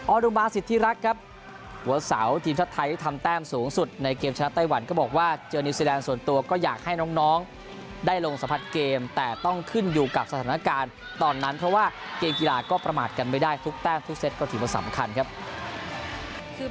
อนุบาสิทธิรักษ์ครับหัวเสาทีมชาติไทยที่ทำแต้มสูงสุดในเกมชนะไต้หวันก็บอกว่าเจอนิวซีแลนด์ส่วนตัวก็อยากให้น้องได้ลงสัมผัสเกมแต่ต้องขึ้นอยู่กับสถานการณ์ตอนนั้นเพราะว่าเกมกีฬาก็ประมาทกันไม่ได้ทุกแต้มทุกเซตก็ถือว่าสำคัญครับ